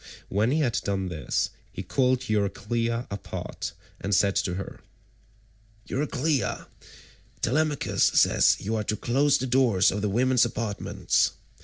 When he had done this, he called Euryclea apart and said to her, "Euryclea, Telemachus says you are to close the doors of the women's apartments.